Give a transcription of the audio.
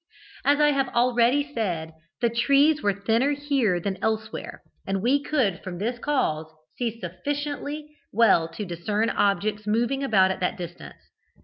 "As I have already said, the trees were thinner here than elsewhere, and we could from this cause see sufficiently well to discern objects moving about at that distance.